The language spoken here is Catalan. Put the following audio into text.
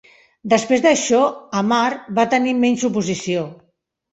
Després d'això Amar va tenir menys oposició.